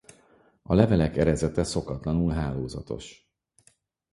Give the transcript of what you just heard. A levelek erezete szokatlanul hálózatos.